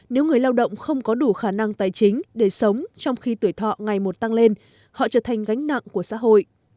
nếu người lao động không có đủ khả năng tài chính để sống trong khi tuổi thọ ngày một tăng lên họ trở thành gánh nặng của xã hội